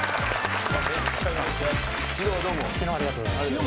昨日はありがとうございます。